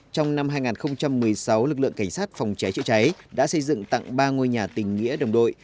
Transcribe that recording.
trong năm hai nghìn một mươi sáu lực lượng cảnh sát phòng cháy chữa cháy đã xây dựng tặng ba ngôi nhà tình nghĩa đồng đội